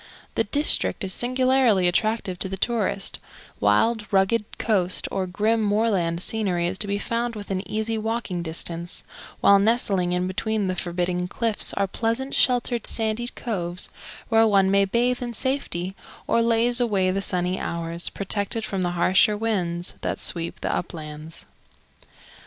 The district is singularly attractive to the tourist; wild, rugged coast or grim moorland scenery is to be found within easy walking distance, while nestling in between the forbidding cliffs are pleasant sheltered sandy coves where one may bathe in safety or laze away the sunny hours, protected from the harsher winds that sweep the uplands.